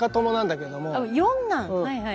はいはい。